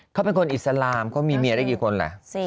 เขาเป็นคนอิสลามเขามีเมียได้กี่คนล่ะ